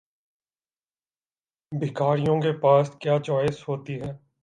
بھکاریوں کے پاس کیا چوائس ہوتی ہے؟